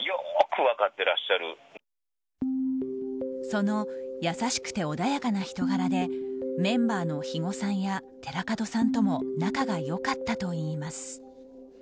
その優しくて穏やかな人柄でメンバーの肥後さんや寺門さんとも仲が良かったといいます。